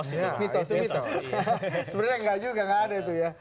sebenarnya gak juga gak ada itu ya